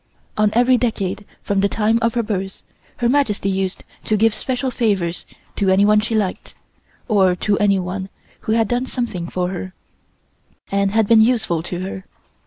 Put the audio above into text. On every decade from the time of her birth Her Majesty used to give special favors to anyone she liked, or to anyone who had done something for her, and had been useful to her.